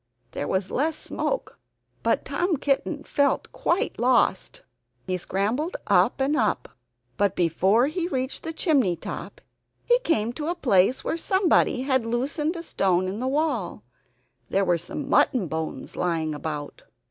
There was less smoke, but Tom Kitten felt quite lost. He scrambled up and up; but before he reached the chimney top he came to a place where somebody had loosened a stone in the wall. There were some mutton bones lying about.